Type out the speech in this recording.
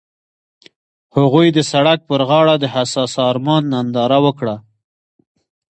هغوی د سړک پر غاړه د حساس آرمان ننداره وکړه.